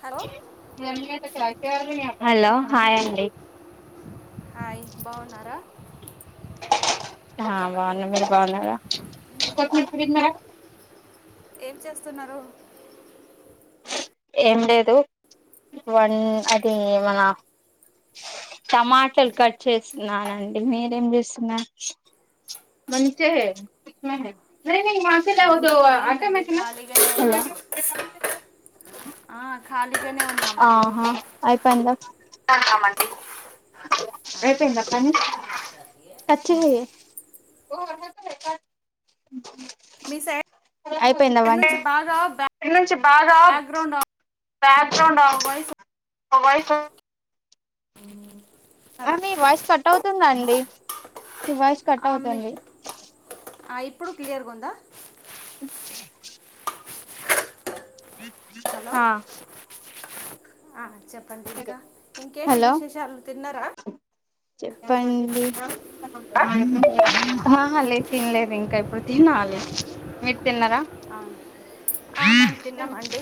Hello hello hi అం డి hi బాగున్నార హా బాగున్నా మీరు బాగున్నార ఏం చేస్తున్నారు ఏం లేదు వన్ అది మన టమాటలు కట్ చేస్తున్నానండి మీరేం చేస్తున్నరూ మంచిగా కిత్నా హై ట్రైనింగ్ నువ్వు సో ఏం అర్థం రండి అయితలే ఖాళీగానే ఉన్నాం సమాజ్ ఇప్పుడు హే ఆ ఖాళీగానే ఉన్నామండి ఆహా అయిపోయిందా అయిపోయిందండి ఆహా కట్ చెయ్ మీ సైడ్ [unintelligible] అయిపోయిందా వంట నుంచి బాగా ఇక్కడి నుంచి బాగా బ్యాక్గ్రౌండ్ బ్యాగ్ లో ఉండవచ్చు వాయిస్ ఒకవైపు [unintelligible] ఆ మీ వాయిస్ కట్ అవుతుందండి మీ వాయిస్ కట్ ఆ, మీ అవుతుంది ఆ ఇప్పుడు క్లియర్గా ఉందా [unintelligible] హలో ఆ ఆ చెప్పండి ఇంకా ఇంకేంటి హలో విశేషాలు తిన్నారా చెప్పండి లేేదు తినలేదు ఇంకా ఇప్పుడు తినాలి మీరు తిన్నారా ఆ, ఆ మేము తిన్నామండి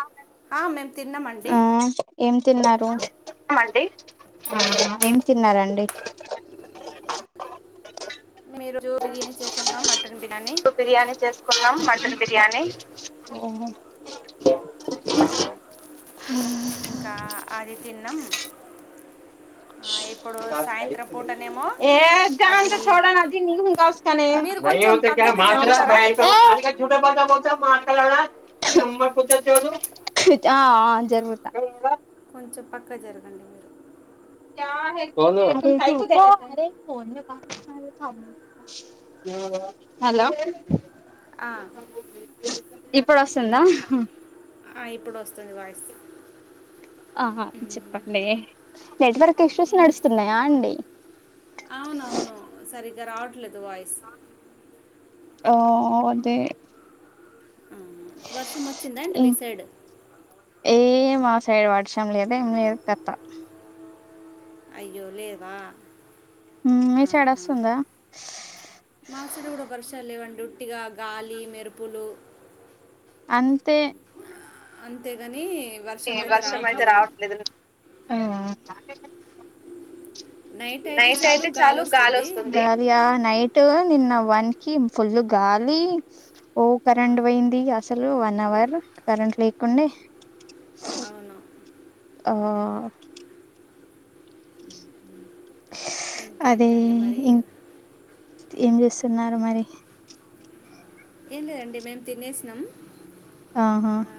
అవునా ఆ మేము తిన్నామండి ఏం తిన్నారు ఏం తిన్నరండి మేము ఈరోజు బిర్యానీ చేసుకున్నాం మటన్ బిర్యానీ బిర్యానీ చేసుకున్నాం మటన్ బిర్యానీ ఇంకా అది తిన్నాం ఆ, ఇప్పుడు సాయంత్రం పూటనేమో ఏ జడంత అది చోడ గులింగ్ హుస్క నే [unintelligible] మీరు కొంచెం పక్కకు జరుగుతారా [unintelligible] కొంచెం పక్కకు జరగండి మీరు క్య హే కైకు దే రహి హు హలో ఆ, ఇప్పుడు వస్తుందా బా ఆ ఇప్పుడు వస్తది, వాయిస్ ఆహ చెప్పట్లే నెట్వర్క్ ఇష్యూస్ ఏం- నడుస్తున్నాయా అండి అవునవును సరిగ్గా రావట్లేదు వాయిస్ ఆ అదే ఆ, వర్షం వచ్చిందా అండి మీ సైడ్ ఏ మా సైడ్ వర్షం లేదు ఏం లేదు పెత్త అయ్యో లేవా మీ సైడ్ ఆహా వస్తుందా మా సైడ్ కూడ వర్షాలు లేవి అండి ఇక గాలి మెరుపులు అంతే అంతేగాని ఏ వర్షం అయితే రావట్లేదు ఉమ్ నైట్ అయితే చాలు గాలి వస్తుంది గాలి ఆ నైట్ నైట్ నిన్న వన్ కి ఫుల్ గాలి ఓ ఆ. కరెంట్ పోయింది అసలు వన్ అవర్ వర్ కరెంట్ లేకుండే అవును ఆ అదే ఇంకేంటండి మరి ఇం ఏం చేస్తున్నారు మరి ఏం లేదండి మేము తినేసినాం ఆహా ఆ,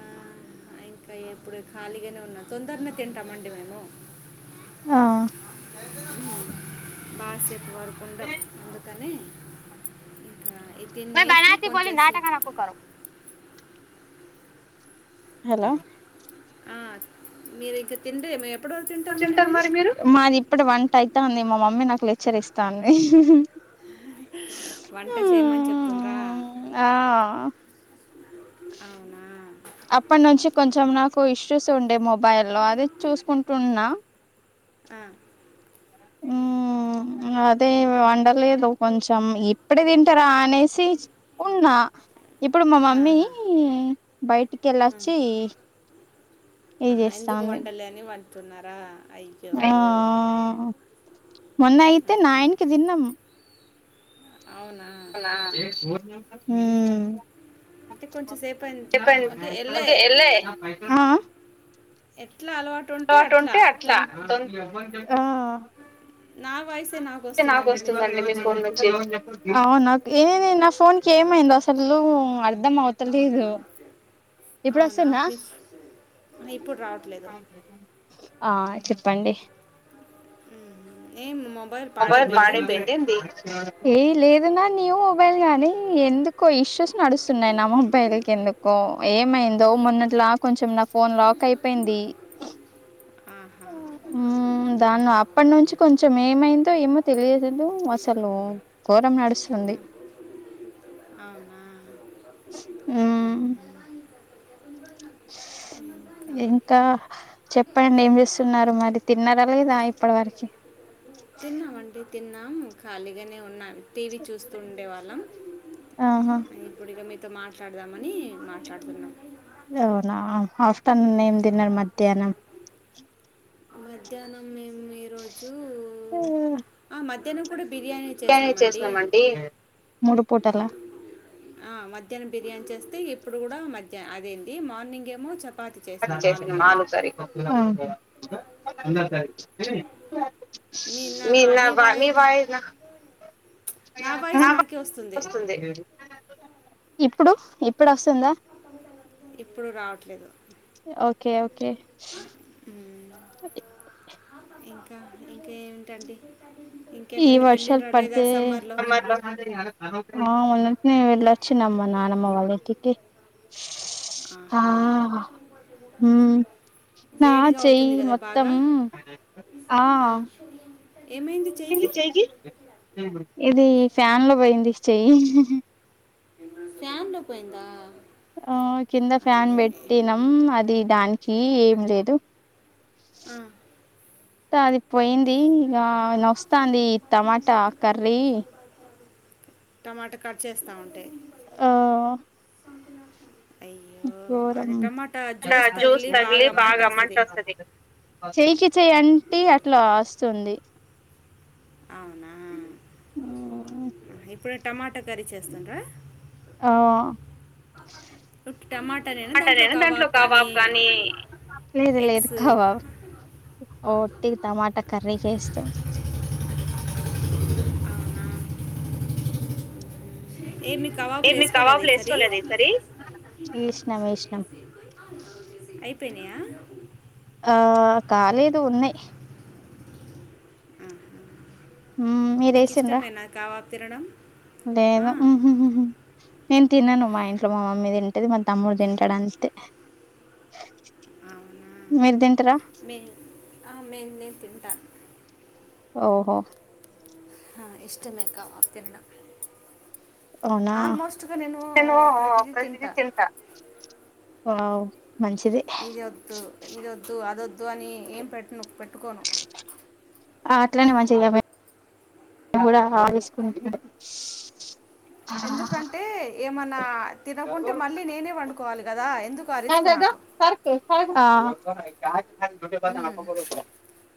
ఇంకా ఎప్పుడు ఖాళీగానే ఉన్నా తొందరనే తింటామండి మేము ఆ బాసేప్ వరకంట అందుకనే మే బాణాతి పోలి నాటకాల ఒక్కొక్కరు హలో ఆ మీరు ఇంక తిండ్రి మే. ఎప్పుడు తింటరు మరి మీరు వంట అయితాంది మా మమ్మీ నాకు లెక్చర్ ఇస్తాంది. వంట చేయమని చెప్తుండ్రా ఆ అవునా అప్పటి నుంచి కొంచెం నాకు ఇష్యూస్ ఉండే మొబైల్ లో అది చూసుకుంటున్నా. ఆ, మ్మ్ అదే వండలేదు కొంచెం ఇప్పుడే తింటారా అనేసి ఉన్నా. ఇప్పుడు మా మమ్మీ ఆహా బయటికెళ్ళొచ్చి ఆ ఎందుకు వండలే అని వండుతున్నారా అయ్యో ఆ మొన్న అయితే నైన్ కి తిన్నాం. అవునా అవునా అంటే కొంచెం సేపు అయింది చెప్పన్ వెళ్ళే ఓకే ఎల్లె ఎట్లా అలవాటు నువ్ అట్ ఉంటే తొం అట్లా అంటే నాకు వస్తుందండి మీ ఫోన్ నుంచి ఏంది నా ఫోన్ కి ఏమైందో అసలు అర్ధం అవుతలేదు ఇప్పుడు అవునా వస్తుందా మీ ఫ్- ఆ, ఇప్పుడు రావట్లేదు పండి మ్మ్. ఏం మమ్ పవర్ బాడీ పోయింది ఏంది ఏదనా న్యూ మొబైల్ గానీ ఎందుకో ఇష్యూస్ నడుస్తున్నాయి నా మొబైల్ కి ఎందుకో ఏమై దో మొన్నట్లా కొంచెం నా ఫోన్ లాక్ అయిపోయింది ఆహా హు దాన్ అప్పటి నుంచి కొంచెం ఏమై దో ఏమో తెలియదు అసలు ఘోరం నడుస్తుంది మ్మ్. మ్మ్ అవునా ఆ. ఇంకా చెప్పండి ఏం చేస్తున్నారు, మరి తిన్నారా లేదా ఇప్పటి వరకి. తిన్నామండి తిన్నాం ఖాళీగానే ఉన్నాన్ టీవీ చూస్తూ ఉండేవాళ్ళం ఆహా అ ఇప్పుడు ఇగ మీ తో మాట్లాడదాం అని మాట్లాడుతున్నా. అవునా ఆఫ్టర్నూన్ ఏం మ్మ్. తిన్నారు మధ్యాహ్నం మధ్యాహ్నం మేము ఈరోజు చేసినామండి మూడు పూటలా ఆ మధ్యాహ్నం బిర్యానీ చేస్తే ఇప్పుడు కూడా మధ్యాహం అదేంది మార్నింగ్ ఏమో చెప్ప తి చేసిన ఆలు కర్రీ మీ నా మీ వాయనా నా వాయిస్ [unintelligible] నాకే వస్తుంది ఇప్పుడు ఇప్పుడు వస్తుందా ఇప్పుడు రావట్లేదు ఓకే ఓకే మ్మ్. అ ఇంకా ఇంకా ఏంటండి ఈ వర్షాలు పడ్తే ఆ మొన్నటినే వెళ్ళొచ్చిన నానమ్మ వాళ్ళ ఇంటికి ఆ ఆహా హ్మ్ ఆ వేడిగా చెయ్యి అవుతుంది కదా మొత్తం బాగా ఆ ఏమైంది చెయ్యి ఇది ఫ్యాన్ లో పోయింది చెయ్యి ఫ్యాన్ లో పోయిందా ఆ కింద ఫ్యాన్ అదే పెట్టినాం అది దానికి ఏం లేదు ఆ అది పోయింది ఇగ నొస్తాది టమాటా కర్రీ టమాటా కట్ చేస్తా ఉం ఆ అయ్యే గోరం జ్యూస్ తగిలి బాగా మంట వస్తది చేయికి చెయ్య అంటే అట్లా వస్తుంది అవునా ఇప్పుడు టమాటా కర్రీ చేస్తుండ్రా ఆ అ టమాటా నేనా దాంట్లో కవాబ్ కానీ ఎగ్స్ ఉటి టమాటా కర్రీ చేస్తున్న ఏమి ఏ కబాబ్లు మీ వేసుకోలేదు కవాబులు ఈసారి వేసుకోలేద ఈసారి వేసినం వేసినాం అయిపోయినయా ఆ కాలేదు ఉన్నాయి ఆ మీరేసిండ్రా తినడం ఆ, లేదు నేను తినను మా ఇంట్లో మా మమ్మీ తింటది మా తమ్ముడు తింటాడు అంతే అవునా మీరు తింటార మే ఆ మే నేను తింటా ఓహో ఇష్టమే కావబ్ తిన్నా అవునా ప్రతిదీ తింటా [unintelligible] ఇది వద్దు ఇది వద్దు అద వొద్దు అని ఏం పెట్టను పెట్టుకోను ఆ అట్లానే మంచిది కదా కూడా [unintelligible] ఎందుకంటే ఏమన్నా తినకుంటే మళ్ళీ నేనే వండుకోవాలి కదా ఎందుకు ఆ రిస్క్ ఏందదో నాకు సర్కి సర్క్ మ్మ్.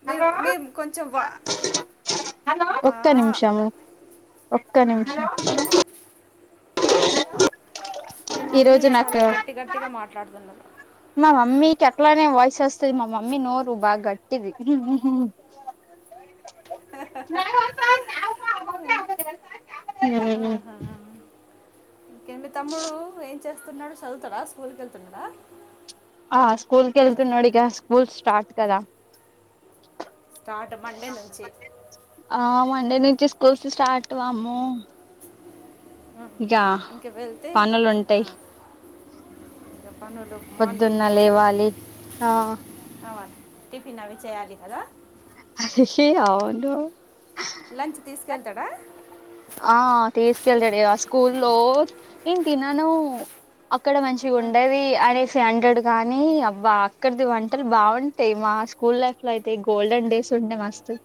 మీరు మీరు కొంచెం వా హలో బా ఒక్క నిమిషము ఒక్క ఆ, నిమిషం హలో మీ మమ్మీ చాలా గట్టి గట్టిగా మాట్లాడుతున్నారు మా మమ్మీ కట్లనే వాయిస్ వస్తది మా మమ్మీ నోరు బాగ్ గట్ టిది అ హ్మ్ ఇంకేది తమ్ముడు ఏం చేస్తున్నాడు చదువుతడా స్కూల్ కెళ్తున్నాడ ఆ స్కూల్ కెళ్తున్నాడిగా స్కూల్ స్టార్ట్ కద స్టార్ట్ మండే నుంచి ఆ మండే నుంచి కోసి స్టార్ట్ వాము ఉమ్. ఇగ ఇంక వెళ్తే ఆ, పనులుంటయి ఇక పనులు పొద్దున్న మార్నింగే లేవాలి అవును టిఫిన్ అవి చేయాలి కదా అవును లంచ్ తీసుకెళ్తాడా ఆ తీస్కెళ్దడి ఆ స్కూల్ లో ఇం తినను అక్కడ మంచిగా ఆ, ఉండవి అనేస్ హండ్రడ్ గానీ అబ్బా అక్కడిది వంటలు బాగుంటాయి, మా స్కూల్ లైఫ్ లో అయితే గోల్డెన్ డేస్. కుండ మస్తు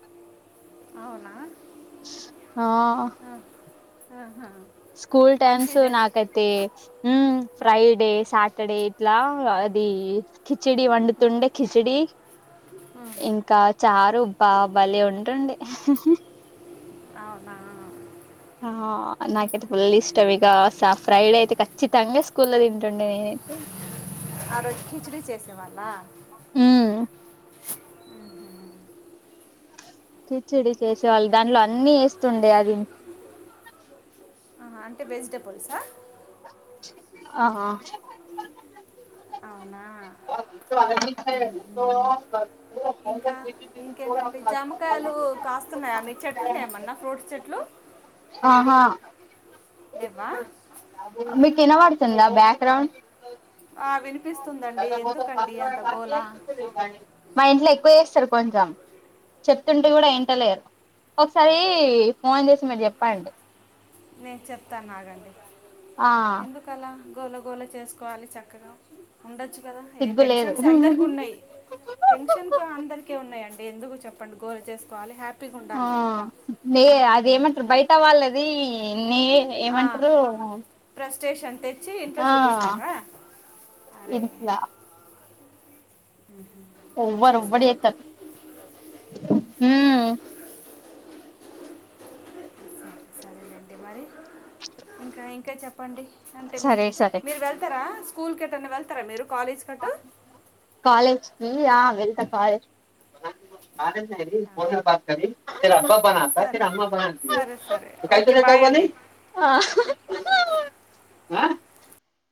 అవునా ఆ ఆ, ఆహా స్కూల్ టైమ్స్ మంచిది చేసి నాకైతే ఆ, ఫ్రైడే సాటర్డే ఇట్లా కిచిడి వండుతుండే కిచడి ఉమ్. ఇంకా చారు బా బలే ఉంటుండి అవునా అహ నా ఉమ్. ఫుల్ ఇష్టం ఇక సా ఫ్రైడే అయితే ఖచ్చితంగా స్కూల్లో తింటుండిమే ఆ రోజ్ కిచిడీ చేసే వాళ్ళ హ్మ్ కిచిడి చేసేవాళ్ళు దాంట్లో అన్ని వేస్తుండే అది అహ అంటే వెజిటెబుల్సా ఆహ నా తో ఇంకా [inaudible] కాస్తున్నయా మీ చెట్లున్నయా ఏమన్నా ఫ్రూట్స్ చెట్లు ఆహా లెవ్వా మీకు వినబడుతుందా బ్యాక్గ్రౌండ్ ఆ విని మా ఇంట్లో ఎక్కువ చేస్తరు కొంచెం చెప్తుంటే గూడ ఇంటలేరు ఒకసారి ఫోన్ చేసి మీరు జెప్పండి నేను చెప్తాను ఆగండి ఆ ఎందుకలా గోల గోల చేసుకోవాలి చక్కగా ఉండొచ్చు. కదా ఏ సిగ్గు లేదు టెన్షన్స్ అందరికి ఉన్నాయి టెన్షన్ కు అందరికి ఉన్నాయండీ. ఎందుకు చెప్పండి. గోల చేసుకోవాలి హ్యాపీ ఆ అది ఏమంటారు బయట వాళ్ళది నీ ఏమంటారు ఫ్రస్ట్రేషన్ తెచ్చి ఇంట్లో ఆ. చూపిస్తుండ్రా అరే ఇట్లా అలా ఎవ్వరు ఎవ్వరు చేసుకోవద్దు. చేస్తారు సరేనండి మరి ఇంకా ఇంకా చెప్పు చెప్పండి అంటే మీరు సరే సరే మీరు వెళ్తారా స్కూల్కి ఎటైనా వెళ్తారా మీరు. కాలేజ్ కట్టు కాలేజ్ కి ఆ వెళ్తా కాలేజ్ కి [unintelligible] ఆహా. బనరు సరే అమ్మా బన సరే సరే కా ఓకే తరత బాయ్ ఉగాని అండి [unintelligible] ఆ హ్ ఆ